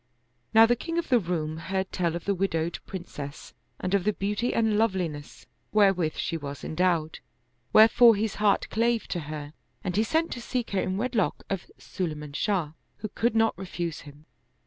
Now the king of the Roum heard tell of the widowed Princess and of the beauty and loveliness wherewith she was endowed, wherefore his heart clave to her and he sent to seek her in wedlock of Sulayman Shah, who could not refuse him.